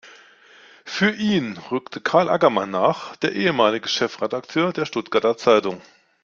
Für ihn rückte Karl Ackermann nach, der damalige Chefredakteur der Stuttgarter Zeitung.